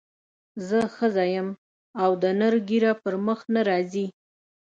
زه ښځه یم او د نر ږیره پر مخ نه راځي.